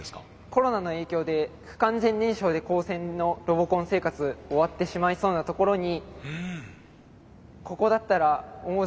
コロナの影響で不完全燃焼で高専のロボコン生活終わってしまいそうなところにここだったら思う